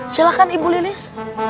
silakan ibu lilis